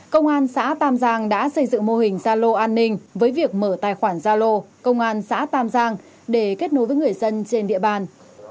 công an xã tam giang đã xây dựng mô hình zalo an ninh với việc mở tài khoản zalo công an xã tam giang để kết nối với người dân trên địa bàn